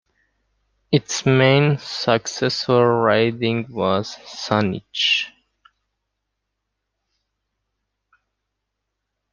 Its main successor-riding was Saanich.